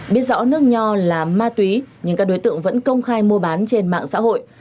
biết rõ nước nho là ma túy nhưng các đối tượng vẫn công khai mua bán trên mạng xã hội